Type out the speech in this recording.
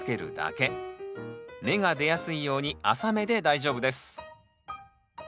芽が出やすいように浅めで大丈夫です。